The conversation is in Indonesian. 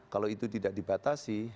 kalau itu tidak dibatasi